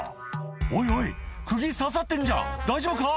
「おいおい釘刺さってるじゃん大丈夫か⁉」